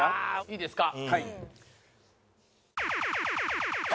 いいですか？